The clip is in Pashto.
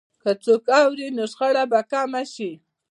که څوک اوري، نو شخړه به کمه شي.